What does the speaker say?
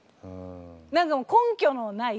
何か根拠のない。